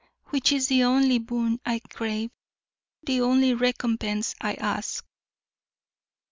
which is the only boon I crave, the only recompense I ask.